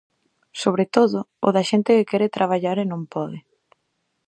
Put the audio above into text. Sobre todo, o da xente que quere traballar e non pode.